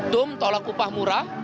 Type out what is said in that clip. dum tolak upah murah